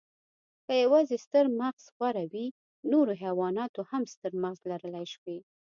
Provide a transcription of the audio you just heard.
که یواځې ستر مغز غوره وی، نورو حیواناتو هم ستر مغز لرلی شوی.